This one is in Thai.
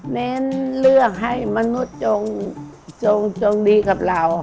เน้นเรื่องให้มนุษย์จงดีกับเรา